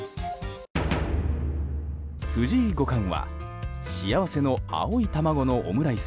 藤井五冠はしあわせの青い玉子のオムライス